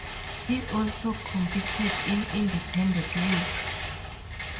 He also competed in independent leagues.